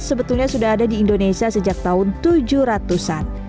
sebetulnya sudah ada di indonesia sejak tahun tujuh ratus an